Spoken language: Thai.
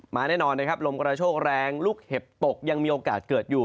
แน่นอนนะครับลมกระโชคแรงลูกเห็บตกยังมีโอกาสเกิดอยู่